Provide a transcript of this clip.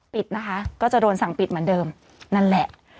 ปิดนะคะก็จะโดนสั่งปิดเหมือนเดิมนั่นแหละ